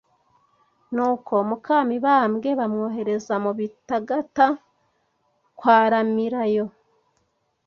Nuko muka Mibambwe bamwohereza mu Bitagata kwaramirayo